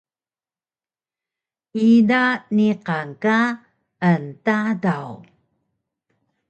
ida niqan ka enTadaw